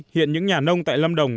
hiện những nhà nông tại lâm đồng